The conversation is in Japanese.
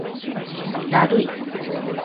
だるい